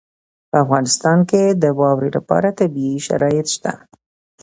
په افغانستان کې د واورې لپاره طبیعي شرایط شته.